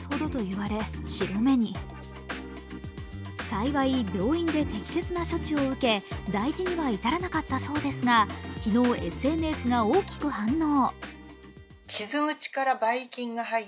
幸い病院で適切な処置を受け大事には至らなかったそうですが、昨日、ＳＮＳが大きく反応。